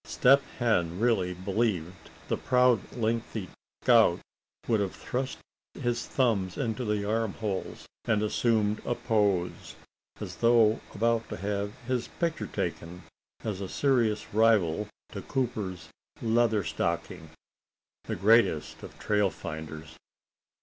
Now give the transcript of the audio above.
Step Hen really believed the proud lengthy scout would have thrust his thumbs into the arm holes and assumed a pose, as though about to have his picture taken as a serious rival to Cooper's "Leatherstocking," the greatest of trail finders.